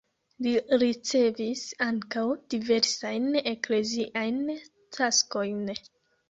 Li ricevis ankaŭ diversajn ekleziajn taskojn.